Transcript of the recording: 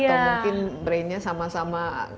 atau mungkin brainnya sama sama